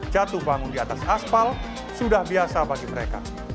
jatuh bangun di atas aspal sudah biasa bagi mereka